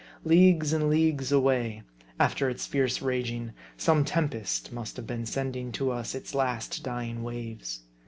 Leagues and leagues away, after its fierce raging, some tempest must have been sending to us its last dying waves.